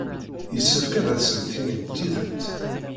Yessefk ad asent-tinimt tidet.